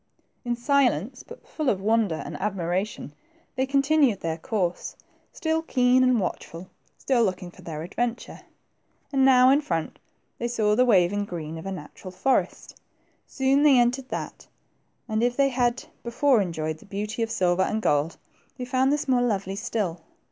In silence, but full of wonder and admiration, they continued their course, still keen and watchful, still looking for their adventure. And now, in front, they saw the waving green of a natural forest. Soon they entered upon thaf, and if they had before enjoyed the beauty of the silver and gold, they found this more lovely still.